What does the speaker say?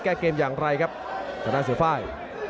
แค่เกมอย่างไรครับขนาดเสื้อฝ่าย